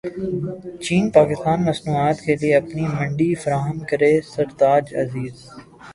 چین پاکستانی مصنوعات کیلئے اپنی منڈی فراہم کرے سرتاج عزیز